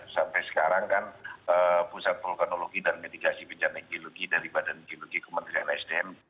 sampai sekarang kan pusat vulkanologi dan mitigasi bencana geologi dari badan geologi kementerian sdm